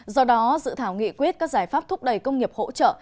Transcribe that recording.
do đó dự thảo nghị quyết các giải pháp thúc đẩy công nghiệp hỗ trợ